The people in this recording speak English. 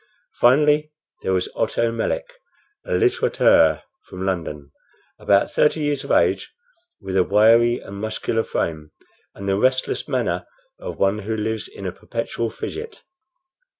Finally, there was Otto Melick, a litterateur from London, about thirty years of age, with a wiry and muscular frame, and the restless manner of one who lives in a perpetual fidget.